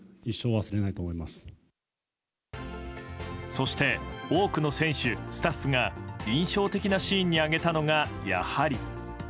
そして多くの選手、スタッフが印象的なシーンに挙げたのがやはり。